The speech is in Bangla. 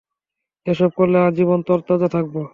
এসব করলে আজীবন তরতাজা থাকব।